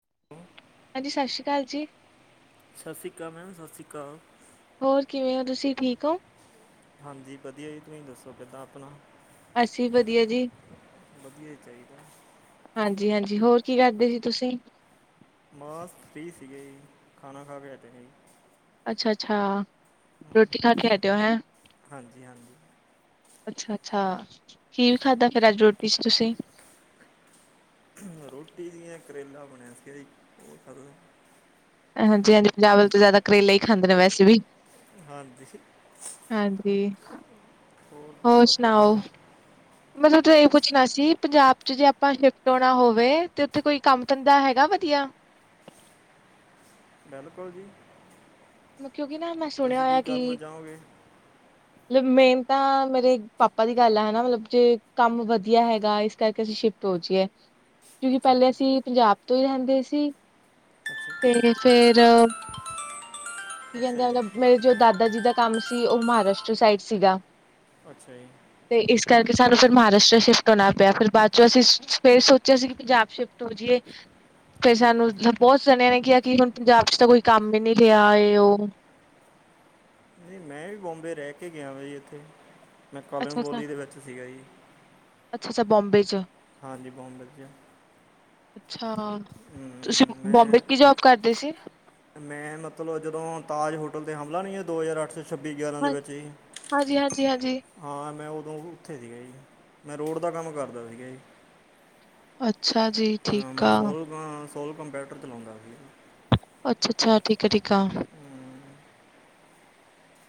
[inaudible] ਹਾਂਜੀ ਸਤਿ ਸ੍ਰੀ ਅਕਾਲ ਜੀ ਸਤਿ ਸ਼੍ਰੀ ਅਕਾਲ ਮੈਮ ਸਤਿ ਸ਼੍ਰੀ ਅਕਾਲ ਹੋਰ ਕਿਵੇਂ ਹੋ ਤੁਸੀਂ ਠੀਕ ਹੋ ਹਾਂਜੀ ਵਧੀਆ ਜੀ ਤੁਸੀਂ ਦੱਸੋ ਕਿੱਦਾਂ ਆਪਣਾ ਅਸੀਂ ਵਧੀਆ ਜੀ। ਵਧੀਆ ਹੀ ਚਾਹੀਦਾ ਹਾਂਜੀ ਹਾਂਜੀ ਹੋਰ ਕੀ ਕਰਦੇ ਸੀ ਤੁਸੀਂ ਬਸ ਫਰੀ ਸੀਗੇ ਜੀ ਖਾਣਾ ਖਾ ਕੇ ਤੇ ਸੀ ਜੀ ਅੱਛਾ ਅੱਛਾ ਹਮ, ਰੋਟੀ ਖਾ ਕ ਹਟਿਆ ਹੋਇਆ ਹਾਂਜੀ ਹਾਂਜੀ ਅੱਛਾ ਅੱਛਾ ਕੀ ਵੀ ਖਾਧਾ ਫੇਰ ਅੱਜ ਰੋਟੀ ਚ ਤੁਸੀਂ ਰੋਟੀ ਨਹੀਂ ਕਰੇਲਾ ਬਣਿਆ ਫਿਰ ਉਹ ਖਾਦਾ ਹਾਂਜੀ ਹਾਂਜੀ ਪੰਜਾਬ ਤੋਂ ਜ਼ਿਆਦਾ ਕਰੇਲਾ ਹੀ ਖਾਂਦੇ ਨੇ ਵੈਸੇ ਵੀ ਹਾਂਜੀ ਹਾਂਜੀ ਹੋਰ ਦੱਸੋ ਕਿੱਦਾਂ ਸੁਣਾਓ ਮਤਲਬ ਇਹ ਬਸ ਪੁੱਛਣਾ ਸੀ ਪੰਜਾਬ ਜੇ ਆਪਾਂ ਸ਼ਿਫਟ ਹੋਣਾ ਹੋਵੇ ਤੇ ਉੱਥੇ ਕੋਈ ਕੰਮ ਧੰਦਾ ਹੈਗਾ ਵਧੀਆ [unintelligible] ਬਿਲਕੁਲ ਜੀ ਕਿਉਂਕਿ ਨਾ ਮੈਂ ਸੁਣਿਆ ਤੁਸੀਂ ਕੀ ਹੋਇਆ ਕਿ ਕਰਨਾ ਚਾਹੋਗੇ ਮਤਲਬ ਮੇਨ ਤਾਂ ਮੇਰੇ ਪਾਪਾ ਦੀ ਗੱਲ ਆ ਹਨਾ ਮਤਲਬ ਜੇ ਕੰਮ ਵਧੀਆ ਹੈਗਾ ਇਸ ਕਰਕੇ ਅਸੀਂ ਸ਼ਿਫਟ ਹੋ ਕਿਉਂਕਿ ਅੱਛਾ ਜੀ ਪਹਿਲੇ ਅਸੀਂ ਪੰਜਾਬ ਤੋਂ ਹੀ ਰਹਿੰਦੇ ਸੀ ਅੱਛਾ ਤੇ ਫੇਿਰ ਕੀ ਅੱਛਾ ਕਹਿੰਦੇ ਮਤਲਬ ਜੀ ਮੇਰੇ ਜੋ ਦਾਦਾ ਜੀ ਦਾ ਕੰਮ ਸੀ ਉਹ ਮਹਾਰਾਸ਼ਟਰ ਸਾਈਡ ਸੀਗਾ ਅੱਛਾ ਜੀ ਤੇ ਇਸ ਕਰਕੇ ਸਾਨੂੰ ਫ ਮਹਾਰਾਸ਼ਟਰ ਸ਼ਿਫਟ ਹੋਣਾ ਪਿਆ ਫਿਰ ਬਾਅਦ ਚੋਂ ਅਸੀਂ ਫੇਿਰ ਸੋਚਿਆ ਸੀ ਕਿ ਪੰਜਾਬ ਸ਼ਿਫਟ ਹੋ ਜਾਏ ਫਿਰ ਹਾਂਜੀ ਸਾਨੂੰ ਬਹੁਤ ਸਣਿਆਂ ਨੇ ਕਿਹਾ ਕਿ ਹੁਣ ਪੰਜਾਬ ਚ ਤਾਂ ਕੋਈ ਕੰਮ ਹੀ ਨਹੀਂੀ ਰਿਹਾ ਹੋਰ ਨਹੀਂ ਮੈਂ ਵੀ ਬੋਂਬੇ ਰਹਿ ਕੇ ਗਿਆ ਵਾ ਜ ਉੱਥੇ ਮੈਂ ਕਾਲਮ ਅੱਛਾ ਅੱਛਾ ਬੋਲੀ ਦੇ ਵਿੱਚ ਸੀਗਾ ਜੀ ਅੱਛਾ, ਅੱਛਾ ਬੰਬੇ ਚ ਹਾਂਜੀ ਬਹੁਤ ਵਧੀਆ ਅੱਛਾ, ਤੁਸੀਂ ਬੰਬੇ ਮੈਂ ਕੀ ਜੋਬ ਕਰਦੇ ਸੀ। ਟ ਤੇ ਹਮਲਾ ਨਹੀਂ ਹੈ ਦੋ ਹਜ਼ਾਰ ਅੱਠ ਸੌ ਛੱਬੀ ਗਿਆਰਾਂ ਦੇ ਹਾਂਜੀ ਵਿੱਚ ਜ ਹਾਂਜੀ ਹਾਂਜੀ ਹਾਂਜੀ ਹਾਂ ਮੈਂ ੳ ਉਦੋਂ ਉੱਥੇ ਸੀਗਾ ਜੀ‌, ਮੈਂ ਰੋਡ ਦਾ ਕੰਮ ਕਰਦਾ ਸੀਗਾ ਜੀ। ਅੱਛਾ ਜੀ ਠੀਕ ਆ। ਹੁਣ ਕੰਪਿਊਟਰ ਚਲਾਉਂਦਾ। ਅੱਛਾ, ਅੱਛਾ ਠੀਕ ਆ, ਠੀਕ ਆ ਹਮ,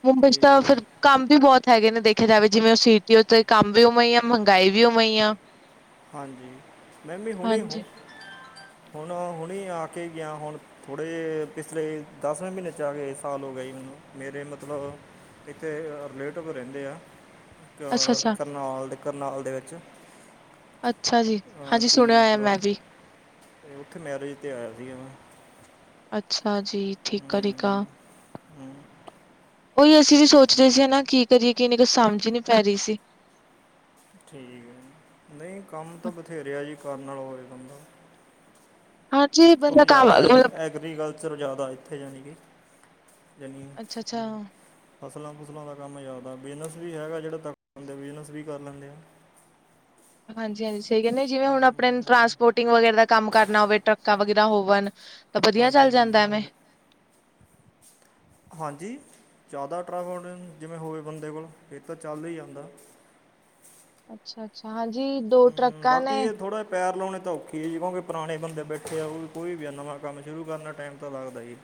ਮੁੰਬਈ ਚ ਤਾਂ ਤੇ ਫਿਰ ਕੰਮ ਵੀ ਬਹੁਤ ਹੈਗੇ ਨੇ ਦੇਖਿਆ ਜਾਵੇ ਜਿਵੇਂ ਉਹ ਸੀਟੀ ਉਤੇ ਕੰਮ ਵੀ ਉਵੇਂ ਹੀ ਆ ਮਹਿੰਗਾਈ ਵੀ ਉਵੇਂ ਆ। ਹਾਂਜੀ ਮੈ ਵੀ ਹੁਣੇ ਹੂ ਹਾਂਜੀ, ਹੁਣ ਹੁਣੇ ਆ ਕੇ ਗਿਆ। ਹੁਣ ਥੋੜੇ ਪਿਛਲੇ ਦਸਵੇਂ ਮਹੀਨੇ ਚ ਆ ਗਏ ਸਾਲ ਹੋ ਗਏ। ਮੇਰੇ ਮਤਲਬ ਇੱਥੇ ਰਿਲੇਟਿਵ ਰਹਿੰਦੇ ਆ। ਅੱਛਾ-ਅੱਛਾ, ਕਰਨਾਲ ਦੇ ਕਰਨਾਲ ਦੇ ਵਿੱਚ ਅੱਛਾ ਜੀ, ਅਹ ਹਾਂਜੀ ਕੀ ਸੁਣਿਆ ਹੋਇਆ ਮਤਲਬ ਮੈਂ ਵੀ ਉੱਥੇ ਮੈਰਿਜ ਤੇ ਆਇਆ ਸੀਗਾ ਮੈਂ ਅੱਛਾ ਜੀ। ਠੀਕ ਆ, ਠੀਕ ਆ ਹੂੰ, ਹੂੰ, ਉਹੀ ਅਸੀਂ ਵੀ ਸੋਚਦੇਹੇ ਸੀ ਨਾ ਕੀ ਕਰੀਏ ਕਿੰਨੀ ਨੀ ਕੁਛ ਸਮਝ ਹੀ ਨਹੀ ਪੈ ਰਹੀ ਸੀ। ਠੀਕ ਹੈ ਜੀ, ਨਹੀਂ ਕੰਮ ਤਾਂ ਬਥੇਰੇ ਆ ਜੀ ਕਰਨ ਨਾਲ ਹੋਵੇ ਬੰਦਾ ਹਾਂਜੀ ਬੰਦਾ ਕਿਉਂਕਿ ਕੰ ਜ਼ਿਆਦਾ ਮਤਲਬ ਐਗਰੀ- ਐਗਰੀਕਲਚਰ ਜ਼ਿਆਦਾ ਇੱਥੇ ਯਾਣੀ ਕੇ ਅੱਛਾ, ਅੱਛਾ ਫਸਲਾਂ ਫੁਸਲਾਂ ਦਾ ਕੰਮ ਜ਼ਦਾ ਬਿਜ਼ਨਸ ਵੀ ਹੈਗਾ, ਜਿਹੜੇ ਤੱਕ ਲਦੇ ਬਿਜ਼ਨਸ ਵੀ ਕਰ ਲੈਂਦੇ ਆ। ਹਾਂਜੀ, ਹਾਂਜੀ ਸਹੀ ਕਹਿੰਦੇ, ਜਿਵੇਂ ਹੁਣ ਆਪਣੇ ਹੂੰ, ਟਰਾਂਸਪੋਰਟ ਟਿੰਗ ਵਗੈਰਾ ਦਾ ਕੰਮ ਕਰਨਾ ਹੋਵੇ ਟਰੱਕਾਂ ਵਗੈਰਾ ਹੋਵਣ ਤਾਂ ਵਧੀਆ ਹਾਂਜੀ ਚੱਲ ਹਾਂਜੀ ਜਾਂਦਾ ਐਵੇਂ ਹਾਂਜੀ ਜ਼ਿਆਦਾ ਟਰੈਵਲ ਜਿਵੇਂ ਹੋਵੇ ਬੰਦੇ ਕੋਲ ਇਹ ਤਾਂ ਚੱਲ ਹੀ ਜਾਂਦਾ। ਅੱਛਾ, ਅੱਛਾ ਹਾਂਜੀ ਦੋ ਹੂੰ, ਟਰੱਕਾਂ ਬਾਕੀ ਨੇ ਇਹ ਥੋੜਾ ਪੈਰ ਲਾਉਣੇ ਤਾਂ ਔਖੀ ਜੀ ਕਿਉਂਕਿ ਪੁਰਾਣੇ ਬੰਦੇ ਬੈਠੇ ਆ ਕੋਈ ਵੀ ਆ ਨਵਾਂ ਕੰਮ ਸ਼ੁਰੂ ਕਰਨਨਾ ਟਾਈਮ ਤਾਂ ਲੱਗਦਾ ਹੀ।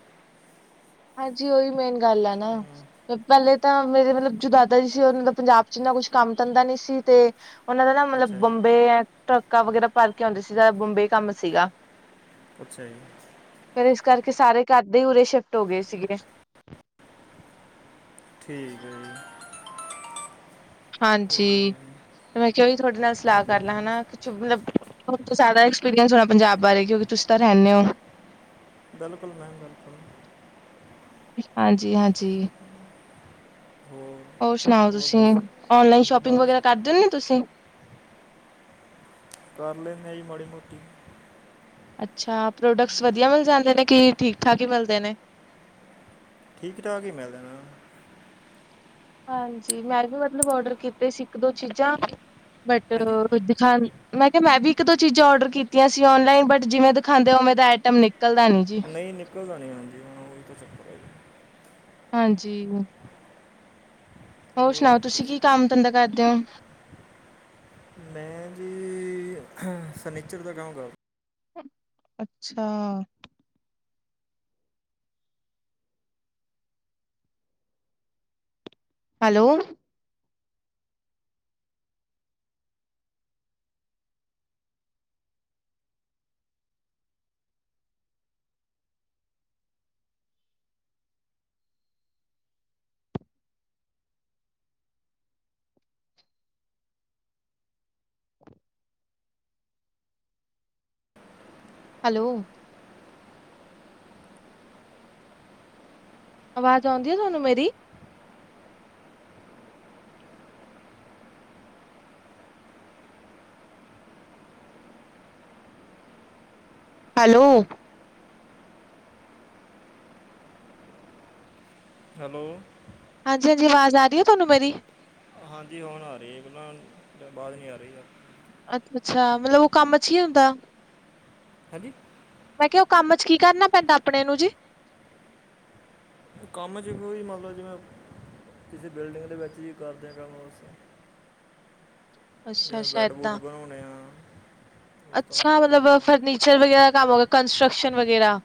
ਹਾਂਜੀ ਉਓਹੀ ਮੇਨ ਗੱਲ ਆ ਨਾ ਹੂੰ, ਪਹਿਲੇ ਤਾਂ ਮੇਰੇ ਮਤਲਬ ਜੋ ਦਾਦਾ ਜੀ ਸੀ ਉਹਨਾਂ ਦਾ ਪੰਜਾਬ ਚ ਇੰਨਾ ਕੁਛ ਕੰਮ ਧਦਾ ਨੀ ਸੀ ਤੇ ਉਹਨਾਂ ਦਾ ਨਾ ਅੱਛਾ ਮਤਲਬ ਜੀ ਬੰਬੇ ਟਰੱਕਾਂ ਵਗੈਰਾ ਭਾਰ ਕੇ ਆਉਂਦੇ ਸੀ ਬੰਬੇ ਕੰਮ ਸੀਗਾ। ਅੱਛਾ ਜੀ ਫਿਰ ਇਸ ਕਰਕੇ ਸਾਰੇ ਕਰਦੇ ਉਰੇ ਸ਼ਿਫਟ ਹੋ ਗਏ ਸੀਗੇ। ਠੀਕ ਹੈ ਜੀ। ਤੇ ਹਾਂਜੀ, ਤੇ ਮੈਂ ਕਿਹਾ ਉਹੀ ਤੁਹਾਡੇ ਨਾਲ ਸਲਾਹ ਕਰ ਲ ਹਨਾ ਕੁਛ ਮਤਲਬ ਦਾ ਐਕਸਪੀਰੀਅੰਸ ਹੋਣਾ ਪੰਜਾਬ ਬਾਰੇ ਕਿਉਂਕਿ ਤੁਸੀਂ ਤਾਂ ਰਹਿੰਦੇ ਹੋ। ਬਿਲਕੁਲ ਮੈਮ ਬਿਲਕੁਲ ਹਾਂਜੀ, ਹਾਂਜੀ ਹੋਰ ਸੁਣਾਓ ਤੁਸੀਂ ਓਨਲਾਈਨ ਸ਼ੋਪਿੰਗ ਬਸ ਵਗੈਰਾ ਕਰਦੇ ਤੁਸੀਂ ਕਰ ਲੇਣੈ ਆ ਜੀ ਮਾੜੀ ਮੋਟੀ ਅੱਛਾ ਪ੍ਰੋਡਕਟਸ ਵਧੀਆ ਮਿਲ ਜਾਂਦੇ ਨੇ ਕਿ ਠੀਕ -ਠਾਕ ਹੀ ਮਿਲਦੇ ਨੇ ਠੀਕ- ਠਾਕ ਹੀ ਮਿਲ ਜਾਣਾ। ਹਾਂਜੀ ਮੈਂ ਵੀ ਮਤਲਬ ਔਡਰ ਕੀਤੇ ਸੀ ਇੱਕ ਦੋ ਚੀਜ਼ਾਂ ਬਟ ਹਾਂਜੀ [inaudible] ਮੈਂ ਕਿਹਾ ਮੈਂ ਵੀ ਇੱਕ ਦੋ ਚੀਜ਼ਾਂ ਔਡਰ ਕੀਤੀਆਂ ਸੀ, ਔਨਲਾਈਨ ਬਟ ਜਿਵੇਂ ਦਿਖਾਉਦੇ ਉਵੇਂ ਤਾਂ ਆਈਟਮ ਨਿਕ ਨਹੀਂ ਨਿਕਲਦਾ ਨੀ ਹਾਂਜੀ, ਹਾਂਜੀ [unintelligible] ਹੋਰ ਸੁਣਾਓ ਤੁਸੀਂ ਕੀ ਕੰਮ ਧੰਦਾ ਕਰਦੇ ਓ? ਮੈਂ ਜੀ ਫਰਨੀਚਰ ਦਾ ਕਾਮ ਕਰਦਾ। [unintelligible] ਅੱਛਾ। ਹੈਲੋ। ਹੈਲੋ। ਆਵਾਜ਼ ਆਉਂਦੀ ਹੈ ਤੁਹਾਨੂੰ ਮੇਰੀ ਹੈਲੋ ਹੈਲੋ ਹਾਂਜੀ ਹਾਂਜੀ ਆਵਾਜ਼ ਆ ਰਹੀ ਹੈ ਤੁਹਾਨੂੰ ਮੇਰੀ ਹਾਂਜੀ ਹੁਣ ਆ ਰਹੀ ਹੈ ਪਹਿਲਾਂ ਬਾਅਦ ਨੀ ਆ ਰਹੀ ਆ ਅੱਛਾ ਅੱਛਾ ਮਤਲਬ ਉਹ ਕੰਮ ਅਛੀ ਹੁੰਦਾ ਹੰਜੀ ਮੈਂ ਕਿਹਾ ਉਹ ਕੰਮ ਚ ਕੀ ਕਰਨਾ ਪੈਂਦਾ ਆਪਣੇ ਨੂੰ ਜੀ ਕੰਮ 'ਚ ਵੀ ਮਤਲਬ ਜਿਵੇਂ ਕਿਸੇ ਬਿਲਡਿੰਗ ਦੇ ਵਿੱਚ ਹੀ ਕਰਦੇ ਹਾਂ ਕੰਮ ਉਸ ਅੱਛਾ ਜਿਵੇਂ ਅੱਛਾ ਬੈੱਡ ਬੁੱਡ ਏਦਾਂ ਬਣਾਉਣੇ ਆ ਇਸ ਤਰ੍ਹਾਂ ਅੱਛਾ ਚੱਲ ਮਤਲਬ ਜਾਂਦਾ ਫਰਨੀਚਰ ਵਗੈਰਾ ਕੰਮ ਹੋਗਾ ਕੰਸਟਟਰਕਸ਼ਨ ਵਗੈਰਾ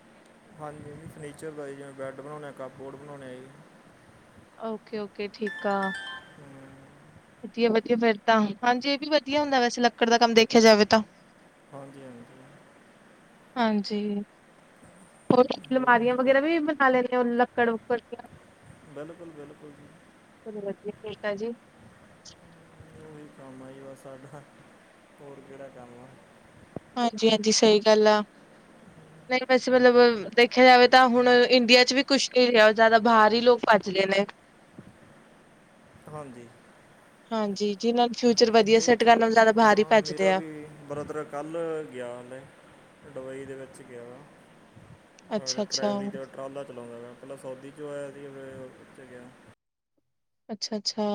ਹਾਂਜੀ ਫਰਨੀਚਰ ਦਾ ਜ ਜਿਵੇਂ ਬੈੱਡ ਬਣਾਉਣੇ ਕੱਪ ਬੋਰਡ ਬਣਾਉਣੇ ਜੀ ਓਕੇ ਓਕੇ ਠੀਕ ਆ ਹਮ, ਵਧੀਆ ਵਧੀਆ ਫੇਰ ਤਾਂ ਹਾਂਜੀ ਇਹ ਵੀ ਵਧੀਆ ਹੁੰਦਾ ਵੈਸੇ ਲੱਕੜ ਦਾ ਕੰਮ ਦੇਖਿਆ ਜਾਵੇ ਤਾਂ [unintelligible] ਹਾਂਜੀ ਹੋਰ ਹੋ ਅਲਮਾਰੀਆਂ ਵਗੈਰਾ ਵੀ ਬਣਾ ਲੈਣੇ ਲੱਕੜ ਲੁਕੜ ਦੀ [unintelligible] ਹਾਂਜੀ ਉਹੀ ਕੰਮ ਆ ਜੀ ਵਾ ਸਾਡਾ ਹੋਰ ਕਿਹੜਾ ਕੰਮ ਆ ਹਾਂਜੀ ਹਾਂਜੀ ਸਹੀ ਗੱਲ ਆ ਨਹੀਂ ਵੈਸੇ ਮਤਲਬ ਦੇਖਿਆ ਜਾਵੇ ਤਾਂ ਹੁਣ ਇੰਡੀਆ ਚ ਵੀ ਕੁਛ ਨੀ ਰਿਹਾ ਜ਼ਿਆਦਾ ਬਾਹਰ ਹੀ ਲੋਕ [unintelligible] ਹਾਂਜੀ ਹਾਂਜੀ ਜਿਨਾਂ ਫਿਊਚਰ ਵਧੀਆ ਤੇ ਸੈੱਟ ਇੱਕ ਕਰਨਾ ਜ਼ਿਆਦਾ ਬਾਹਰ ਹੀ ਅ ਮੇਰਾ ਭੱਜਦੇ ਆ। ਵੀ ਬ੍ਰਦਰ ਕੱਲ੍ਹ ਗਿਆ ਮੈਂ ਡਬਈ ਦੇ ਵਿੱਚ ਗਿਆ ਵਾ ਅੱਛਾ-ਅੱਛਾ, ਟਰੈਵਰੀ ' ਟਰਾਲਾ ਚਲਾਉਂਦਾ ਹੈਾ ਪਹਿਲਾਂ ਸਾਊਦੀ 'ਚੋਂ ਆਇਆ ਸੀ ਫਿਰ ਉੱਚ ਗਿਆ ਅੱਛਾ ਅੱਛਾ